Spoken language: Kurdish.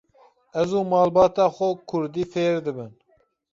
Ez û malbata xwe kurdî fêr dibin.